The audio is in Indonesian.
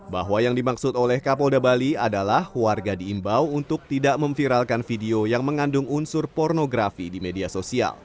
bahwa yang dimaksud oleh kapolda bali adalah warga diimbau untuk tidak memviralkan video yang mengandung unsur pornografi di media sosial